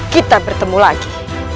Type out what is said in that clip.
kita bertemu lagi